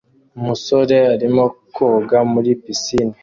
Umusore arimo koga muri pisine